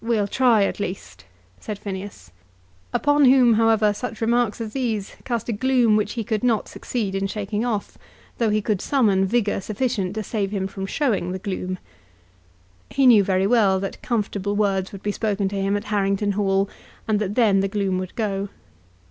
"We'll try at least," said Phineas, upon whom, however, such remarks as these cast a gloom which he could not succeed in shaking off, though he could summon vigour sufficient to save him from showing the gloom. He knew very well that comfortable words would be spoken to him at Harrington Hall, and that then the gloom would go.